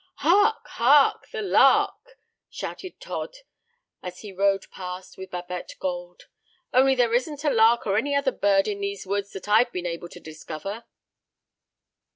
"Hark! Hark! The Lark!" shouted Todd as he rowed past with Babette Gold. "Only there isn't a lark or any other bird in these woods that I've been able to discover."